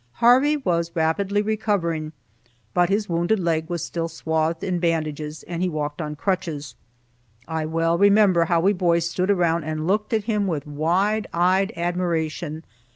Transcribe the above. Harvey was rapidly recovering, but his wounded leg was still swathed in bandages, and he walked on crutches. I well remember how we boys stood around and looked at him with wide eyed admiration.